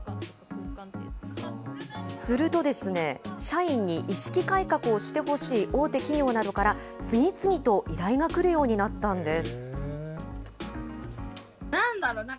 するとですね、社員に意識改革をしてほしい大手企業などから次々と依頼が来るようになったんです。